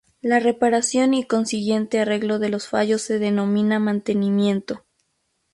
La reparación y consiguiente arreglo de los fallos se denomina mantenimiento.